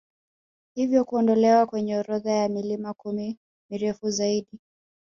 Hivyo kuondolewa kwenye orodha ya milima kumi mirefu zaidi